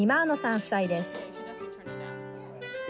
夫妻です。